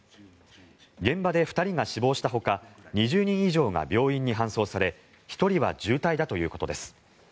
現場で２人が死亡したほか２０人以上が病院に搬送され１人は重体だということです。